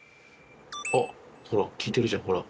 あっほら効いてるじゃんほら。